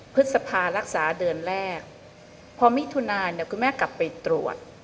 พฤษภารักษาเดือนแรกพอมิถุนาเนี่ยคุณแม่กลับไปตรวจ